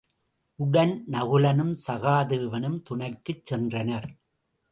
உடன் நகுலனும் சகாதேவனும் துணைக்குச் சென்றனர்.